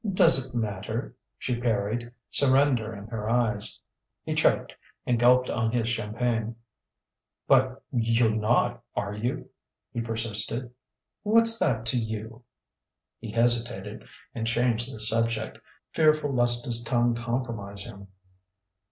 "Does it matter?" she parried, surrender in her eyes. He choked and gulped on his champagne. "But you're not, are you?" he persisted. "What's that to you?" He hesitated and changed the subject, fearful lest his tongue compromise him.